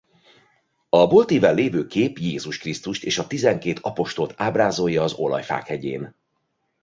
A boltíven levő kép Jézus Krisztust és a tizenkét apostolt ábrázolja az Olajfák hegyén.